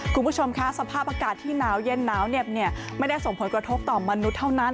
คุณผู้ชมคะสภาพอากาศที่หนาวเย็นหนาวเห็บไม่ได้ส่งผลกระทบต่อมนุษย์เท่านั้น